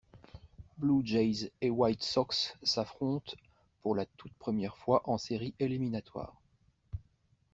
Blue Jays et White Sox s'affrontent pour la toute première fois en séries éliminatoires.